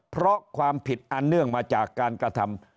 เพราะความผิดอันเนื่องมาจากการกระทำ